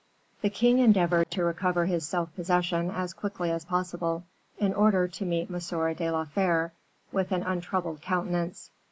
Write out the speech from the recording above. The king endeavored to recover his self possession as quickly as possible, in order to meet M. de la Fere with an untroubled countenance.